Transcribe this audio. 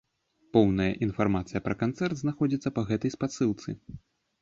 Поўная інфармацыя пра канцэрт знаходзіцца па гэтай спасылцы.